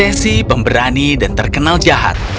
desi pemberani dan terkenal jahat